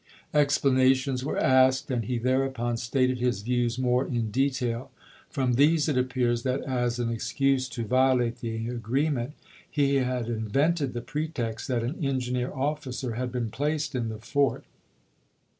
Explanations were l.p.iss!' asked, and he thereupon stated his views more in detail. From these it appears that as an excuse to violate the agreement he had invented the pretext that an engineer officer had been placed in the fort.